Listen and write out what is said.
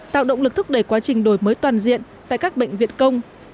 tạo động lực thúc đẩy quá trình đổi mới toàn diện tại các bệnh viện công